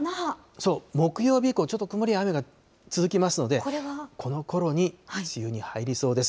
木曜日以降、ちょっと曇り、雨が続きますので、このころに梅雨に入りそうです。